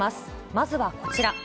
まずはこちら。